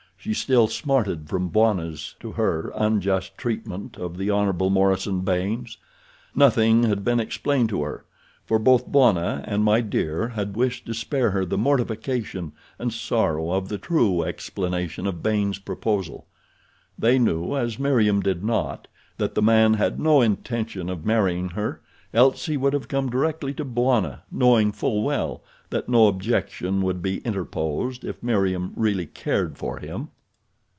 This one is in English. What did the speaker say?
She still smarted from Bwana's, to her, unjust treatment of the Hon. Morison Baynes. Nothing had been explained to her, for both Bwana and My Dear had wished to spare her the mortification and sorrow of the true explanation of Baynes' proposal. They knew, as Meriem did not, that the man had no intention of marrying her, else he would have come directly to Bwana, knowing full well that no objection would be interposed if Meriem really cared for him.